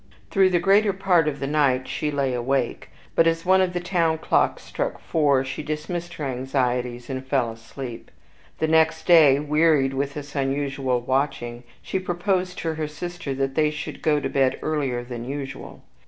Through the greater part of the night she lay awake; but as one of the town clocks struck four, she dismissed her anxieties, and fell asleep. The next day, wearied with this unusual watching, she proposed to her sister that they should go to bed earlier than usual.